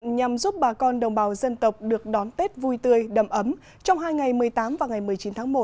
nhằm giúp bà con đồng bào dân tộc được đón tết vui tươi đầm ấm trong hai ngày một mươi tám và ngày một mươi chín tháng một